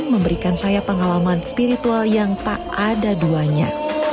memberikan saya pengalaman spiritual yang tak ada duanya